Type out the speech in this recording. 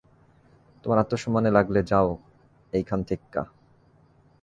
তোমার আত্মসম্মান এ লাগলে, যাও এইখান থেইক্কা।